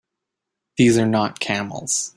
These are not camels!